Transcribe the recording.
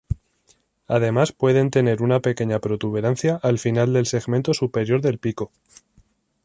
Además pueden tener una pequeña protuberancia al final del segmento superior del pico.